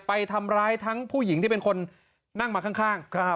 ไปทำร้ายทั้งผู้หญิงที่เป็นคนนั่งมาข้าง